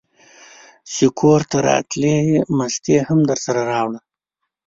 چې کورته راتلې مستې هم درسره راوړه!